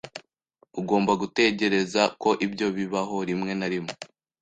Ugomba gutegereza ko ibyo bibaho rimwe na rimwe.